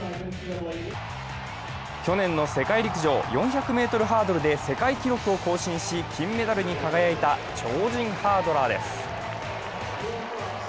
去年の世界陸上４００ｍハードルで世界記録を更新し、金メダルに輝いた超人ハードラーです。